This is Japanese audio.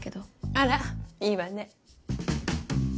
あらいいわね。